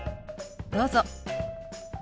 どうぞ。